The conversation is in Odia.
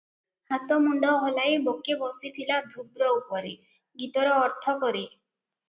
ହାତ ମୁଣ୍ଡ ହଲାଇ 'ବକେ ବସିଥିଲା ଧ୍ରୁବ ଉପରେ' ଗୀତର ଅର୍ଥ କରେ ।